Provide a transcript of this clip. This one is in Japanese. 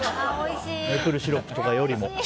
メープルシロップよりも。